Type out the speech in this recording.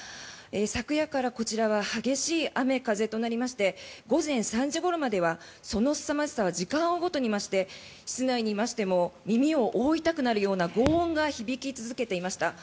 昨夜からこちらは激しい雨風となりまして午前３時ごろまではそのすさまじさは時間を追うごとに増して室内にいましても耳を覆いたくなるようなごう音が響き続けていました。